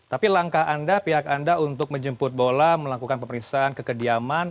jadi langkah anda pihak anda untuk menjemput bola melakukan pemeriksaan kekediaman